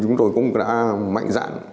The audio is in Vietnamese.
chúng tôi cũng đã mạnh dạn